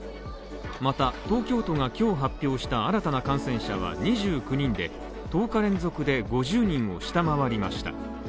また東京都が今日発表した新たな感染者は２９人で、１０日連続で５０人を下回りました。